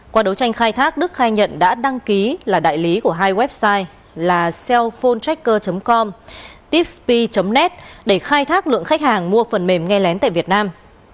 qua đấu tranh khai thác đức khai nhận đã đăng ký là đại lý của hai website là cellphone tracker com tipsp net để khai thác lượng khách hàng mua phần mềm nghe lén tại việt nam